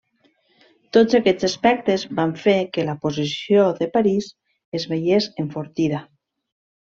Tots aquests aspectes van fer que la posició de París es veiés enfortida.